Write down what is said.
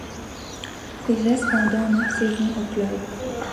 Il reste pendant neuf saisons au club.